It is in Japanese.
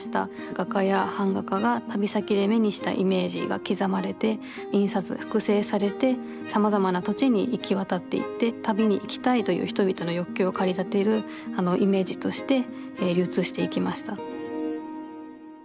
画家や版画家が旅先で目にしたイメージが刻まれて印刷複製されてさまざまな土地に行き渡っていって旅に行きたいという人々の欲求を駆り立てるイメージとして流通していきました。